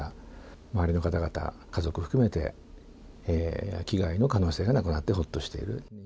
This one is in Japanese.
周りの方々、家族含めて、危害の可能性がなくなってほっとしている。